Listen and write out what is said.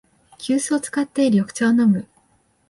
急須を使って緑茶を飲む